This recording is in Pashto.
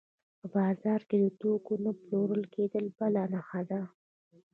په بازار کې د توکو نه پلورل کېدل بله نښه ده